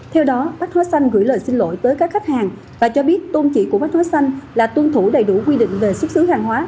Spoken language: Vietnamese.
theo đó bách hóa xanh gửi lời xin lỗi tới các khách hàng và cho biết tôn chỉ của mắt xối xanh là tuân thủ đầy đủ quy định về xuất xứ hàng hóa